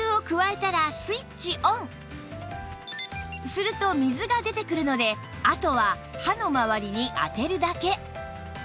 すると水が出てくるのであとは歯の周りに当てるだけ